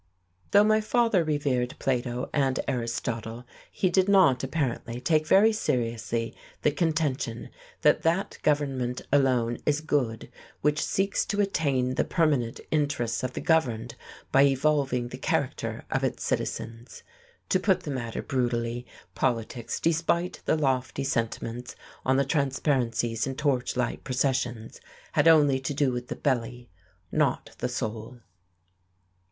Though my father revered Plato and Aristotle, he did not, apparently, take very seriously the contention that that government alone is good "which seeks to attain the permanent interests of the governed by evolving the character of its citizens." To put the matter brutally, politics, despite the lofty sentiments on the transparencies in torchlight processions, had only to do with the belly, not the soul.